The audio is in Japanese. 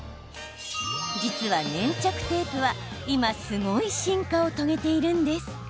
実はテープは、今すごい進化を遂げているんです。